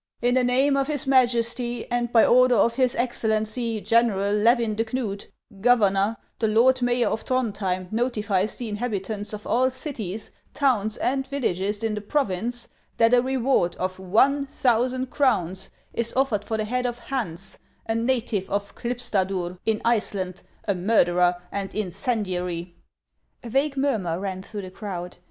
" In the name of his Majesty and by order of his Excel lency, General Levin de Knud, governor, the lord mayor of Throndhjem notifies the inhabitants of all cities, towns, and villages in the province, that a reward of one thousand crowns is offered for the head of Hans, a native of Klip stadur, in Iceland, a murderer and incendiary." A vague murmur ran through the crowd.